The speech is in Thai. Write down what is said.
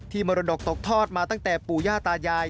มรดกตกทอดมาตั้งแต่ปู่ย่าตายาย